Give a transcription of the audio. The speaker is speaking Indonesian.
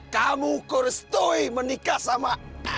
kamu harus menikah sama